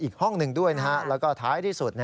อีกห้องหนึ่งด้วยแล้วก็ท้ายที่สุด